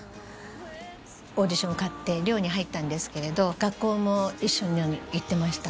オーディション受かって寮に入ったんですけれど学校も一緒に行ってましたね。